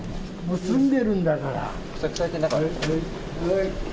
もう済んでるんだから。